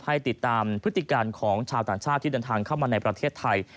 ให้ติดตามพฤติการของชาวต่างชาติที่เดินทางเข้ามาในประเทศไทย